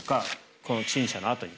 この陳謝のあとに。